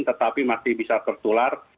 tetapi masih bisa tertular